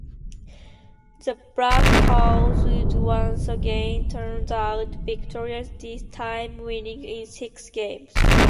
The Blackhawks would once again turn out victorious, this time winning in six games.